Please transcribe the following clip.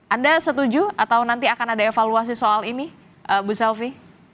anda setuju atau nanti akan ada evaluasi soal ini bu selvi